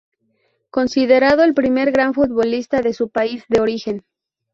Considerado el primer gran futbolista de su país de origen.